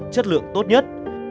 chất lượng tốt nhất